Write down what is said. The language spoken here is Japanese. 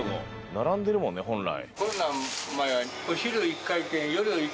並んでるもんね本来。